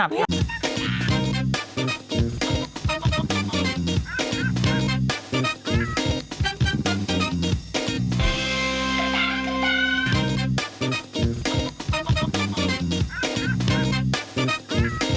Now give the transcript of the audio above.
เกือบเรื่องคุณแม่ธนับ